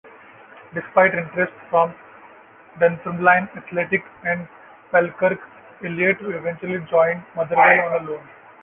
Despite interest from Dunfermline Athletic and Falkirk, Elliot eventually joined Motherwell on loan.